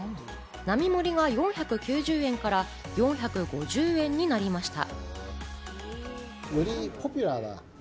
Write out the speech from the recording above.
並盛が４９０円から、４５０円になりました。